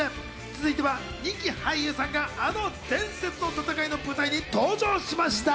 続いては人気俳優さんがあの伝説の戦いの舞台に登場しました。